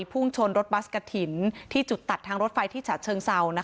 พุ่งชนรถบัสกระถิ่นที่จุดตัดทางรถไฟที่ฉะเชิงเซา